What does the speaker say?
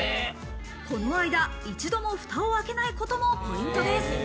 この間、一度も蓋を開けないこともポイントです。